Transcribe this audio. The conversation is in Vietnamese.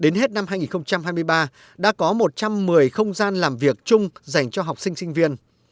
đến hết năm hai nghìn hai mươi ba đã có một trăm một mươi không gian làm việc chung dành cho học sinh sinh viên